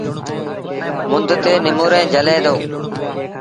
مند تي نموريٚݩ جھلي دو۔